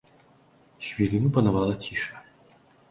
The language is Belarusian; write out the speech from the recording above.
З хвіліну панавала ціша.